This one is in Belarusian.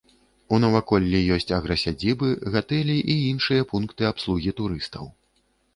У наваколлі ёсць аграсядзібы, гатэлі і іншыя пункты абслугі турыстаў.